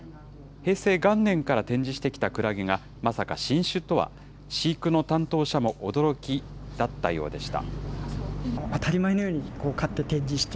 平成元年から展示してきたクラゲが、まさか新種とは、飼育の担当者も驚きだったようでした。